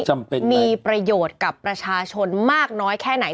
มีประโยชน์กับประชาชนมากน้อยแค่ไหน